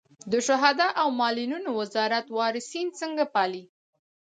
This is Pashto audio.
د شهدا او معلولینو وزارت وارثین څنګه پالي؟